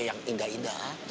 yang indah indah aja